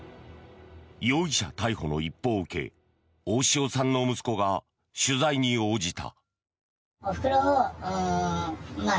容疑者逮捕の一報を受け大塩さんの息子が取材に応じた。